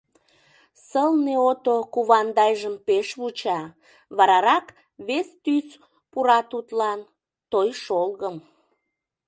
Сылне ото «кувандайжым» пеш вуча, варарак вес тӱс пура тудлан — той-шолгым.